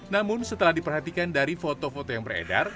namun setelah diperhatikan dari foto foto yang beredar